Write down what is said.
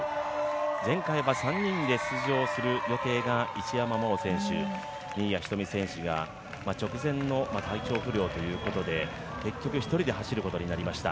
前回は３人で出場する予定が一山麻緒選手、新谷仁美選手が直前の体調不良ということで、結局、一人で走るということになりました。